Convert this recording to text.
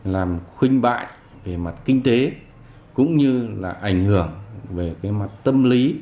làm khuyên bại về mặt kinh tế cũng như là ảnh hưởng về cái mặt tâm lý